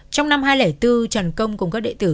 trong năm hai nghìn bốn trần công cũng có địa phương